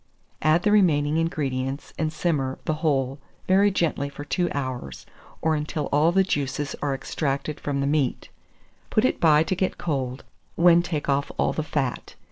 Add the remaining ingredients, and simmer the whole very gently for 2 hours, or until all the juices are extracted from the meat; put it by to get cold, when take off all the fat.